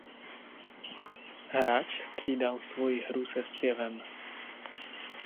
Hráč střídal svoji hru se zpěvem.